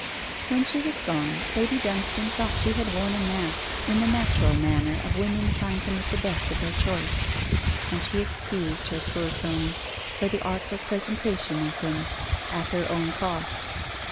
When she was gone, Lady Dunstane thought she had worn a mask, in the natural manner of women trying to make the best of their choice; and she excused her poor Tony for the artful presentation of him at her own cost.